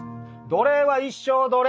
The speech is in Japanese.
奴隷は一生奴隷！